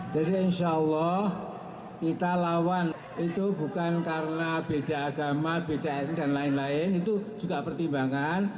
jadi insya allah kita lawan itu bukan karena beda agama beda etik dan lain lain itu juga pertimbangan